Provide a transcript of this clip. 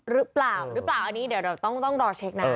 หรือเปล่าอันนี้เดี๋ยวเราต้องรอเช็คหน่า